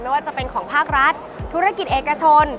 ไม่ว่าจะเป็นของภาครัฐธุรกิจเอกชน